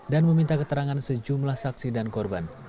dan meminta keterangan sejumlah saksi dan korban